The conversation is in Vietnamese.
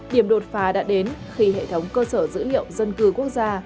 điểm đột phá đã đến khi hệ thống cơ sở dữ liệu dân cư quốc gia